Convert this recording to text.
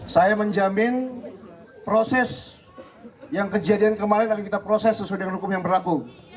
saya menjamin proses yang kejadian kemarin akan kita proses sesuai dengan hukum yang berlaku